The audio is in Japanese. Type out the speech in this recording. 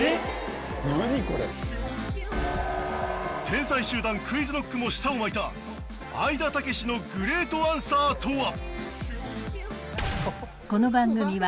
天才集団ＱｕｉｚＫｎｏｃｋも舌を巻いた愛田武のグレートアンサーとは？